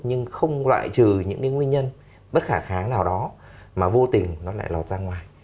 nhưng không loại trừ những cái nguyên nhân bất khả kháng nào đó mà vô tình nó lại lọt ra ngoài